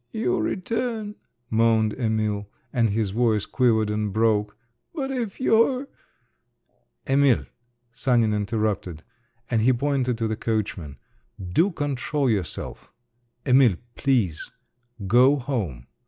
"Your return," moaned Emil—and his voice quivered and broke, "but if you're—" "Emil!" Sanin interrupted—and he pointed to the coachman, "do control yourself! Emil, please, go home!